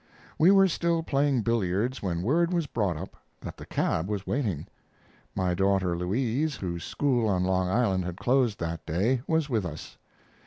We were still playing billiards when word was brought up that the cab was waiting. My daughter, Louise, whose school on Long Island had closed that day, was with us.